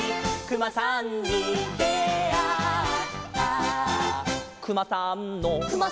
「くまさんの」